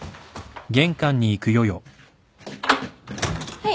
はい。